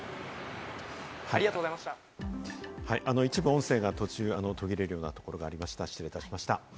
一部音声が途中途切れるようなところがありました、失礼しました。